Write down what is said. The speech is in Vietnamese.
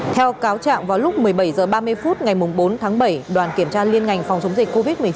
theo cáo trạng vào lúc một mươi bảy h ba mươi phút ngày bốn tháng bảy đoàn kiểm tra liên ngành phòng chống dịch covid một mươi chín